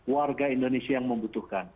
warga indonesia yang membutuhkan